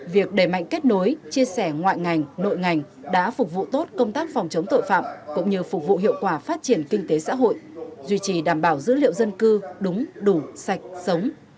việc đẩy mạnh kết nối chia sẻ ngoại ngành nội ngành đã phục vụ tốt công tác phòng chống tội phạm cũng như phục vụ hiệu quả phát triển kinh tế xã hội duy trì đảm bảo dữ liệu dân cư đúng đủ sạch sống